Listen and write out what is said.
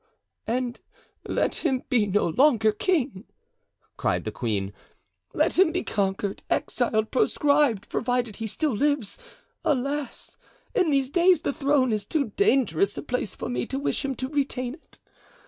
"And let him be no longer king," cried the queen. "Let him be conquered, exiled, proscribed, provided he still lives. Alas! in these days the throne is too dangerous a place for me to wish him to retain it.